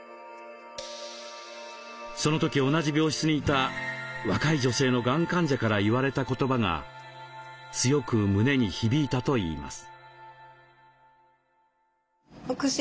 その時同じ病室にいた若い女性のがん患者から言われた言葉が強く胸に響いたといいます。